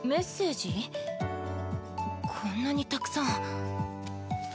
こんなにたくさん。